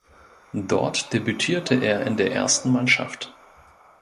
Dort debütierte er in der ersten Mannschaft.